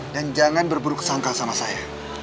dan jangan berburu kesangka sama saya